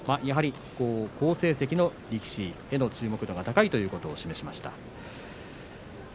やはり好成績の力士への注目度が高いということを示しました。